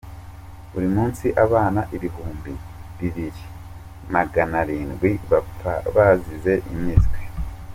Buri munsi abana Ibihumbi Bibiri Maganarindwi bapfa bazize impiswi